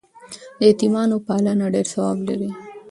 د یتیمانو پالنه ډېر ثواب لري.